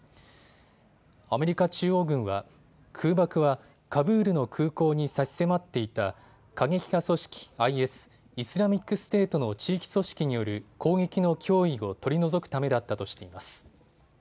アメリカ中央軍は空爆はカブールの空港に差し迫っていた過激派組織ＩＳ・イスラミックステートの地域組織による攻撃の脅威を取り除くためだったとしています。